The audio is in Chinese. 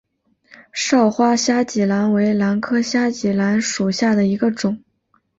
少花虾脊兰为兰科虾脊兰属下的一个种。